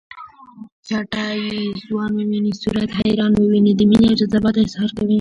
چټه چې ځوان وويني صورت حیران وويني د مینې او جذباتو اظهار کوي